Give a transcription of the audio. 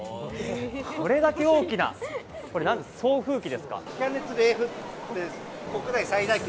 これだけ大きな、送風機ですか？